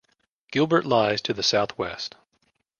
Gilbert lies to the southwest.